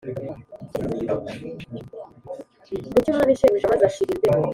mu cy'umwami, shebuja, maz' ashir' imbeho.